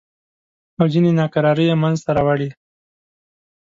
او ځینې ناکرارۍ یې منځته راوړې.